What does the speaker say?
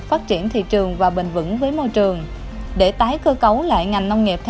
phát triển thị trường và bình vững với môi trường